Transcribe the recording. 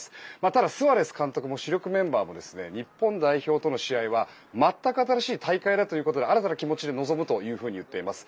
ただスアレス監督も主力メンバーも日本代表との試合は全く新しい大会新たな気持ちで臨むと言っています。